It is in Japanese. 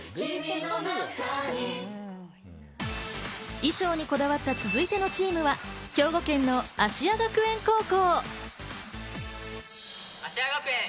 衣装にこだわった続いてのチームは兵庫県の芦屋学園高校。